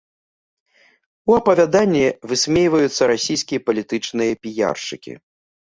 У апавяданні высмейваюцца расійскія палітычныя піяршчыкі.